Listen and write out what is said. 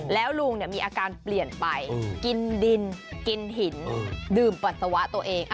แล้วลุงมีอาการเปลี่ยนไปกินดินกินหินดื่มปัสสาวะตัวเอง